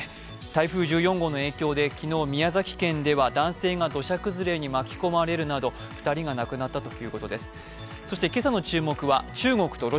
台風１４号の影響で昨日、宮崎県では男性が土砂崩れに巻き込まれるなど、２人が亡くなったということです。